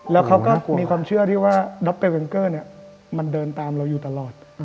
แล้วเขาก็มีความเชื่อที่ว่าดรเวนเกอร์มันเดินตามเราอยู่ตลอด